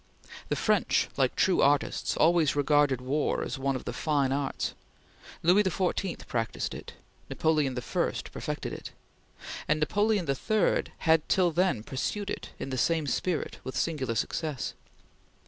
The French, like true artists, always regarded war as one of the fine arts. Louis XIV practiced it; Napoleon I perfected it; and Napoleon III had till then pursued it in the same spirit with singular success.